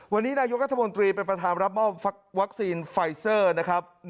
วันนี้นายกรัฐมนตรีเป็นประธานรับมอบวัคซีนไฟเซอร์นะครับ